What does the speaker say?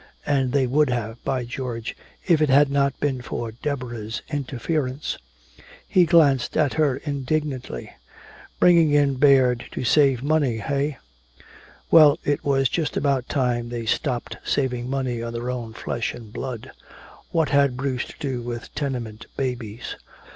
And they would have, by George, if it had not been for Deborah's interference! He glanced at her indignantly. Bringing in Baird to save money, eh? Well, it was just about time they stopped saving money on their own flesh and blood! What had Bruce to do with tenement babies?